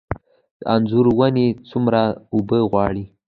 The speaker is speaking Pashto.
د انځر ونې څومره اوبه غواړي؟